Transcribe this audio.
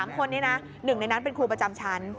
๓คนนี้นะ๑ในนั้นเป็นครูประจำชั้น